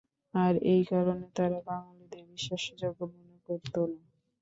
আর এই কারণে তারা বাঙালিদের বিশ্বাসযোগ্য মনে করতো না।